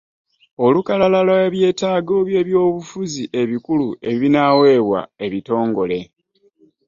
Olukalala lw’ebyetaago by’ebyobufuzi ebikulu ebinaaweebwa ebitongole.